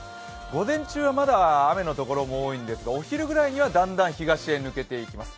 午前中まだ、雨のところも多いんですがお昼ぐらいには、だんだん東へ抜けていきます。